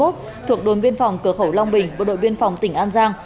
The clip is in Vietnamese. thuộc đồn biên phòng cửa khẩu long bình bộ đội biên phòng tỉnh an giang